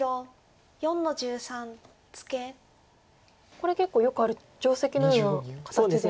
これ結構よくある定石のような形ですか？